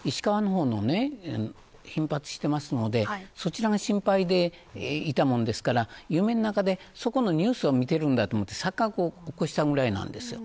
僕は、石川の方の頻発していますのでそちらが心配でいたので夢の中でニュースを見ているんだと思って錯覚を起こしたぐらいなんです。